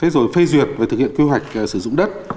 rồi phê duyệt và thực hiện quy hoạch sử dụng đất